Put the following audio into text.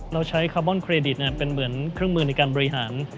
เราใช้คาร์บอนเครดิตเป็นเหมือนเครื่องมือในการบริหาร